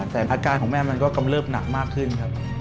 แต่อาการของแม่มันก็กำเริบหนักมากขึ้นครับ